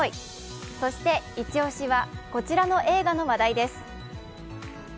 そして、イチ押しは、こちらの映画の話題です。